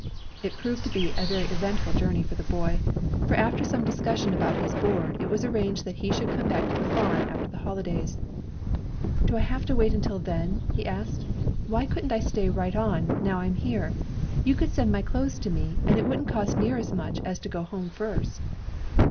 It proved to be a very eventful journey for the boy; for after some discussion about his board, it was arranged that he should come back to the farm after the holidays. "Do I have to wait till then?" he asked. "Why couldn't I stay right on, now I'm here. You could send my clothes to me, and it wouldn't cost near as much as to go home first."